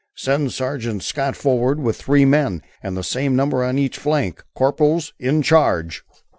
"Send Sergeant Scott forward with three men and the same number on each flank corporals in charge."